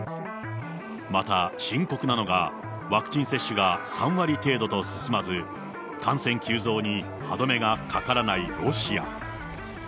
また、深刻なのがワクチン接種が３割程度と進まず、感染急増に歯止めがかからないロシア。